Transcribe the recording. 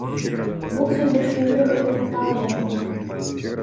Бул сүйлөшүүлөр өтө татаал болгон.